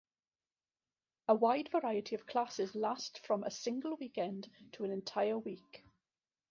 A wide variety of classes last from a single weekend to an entire week.